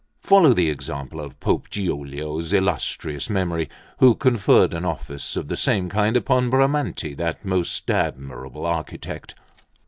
Follow the example of Pope Giulio's illustrious memory, who conferred an office of the same kind upon Bramante, that most admirable architect."